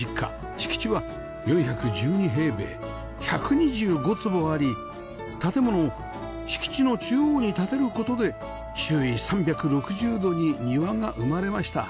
敷地は４１２平米１２５坪あり建物を敷地の中央に建てる事で周囲３６０度に庭が生まれました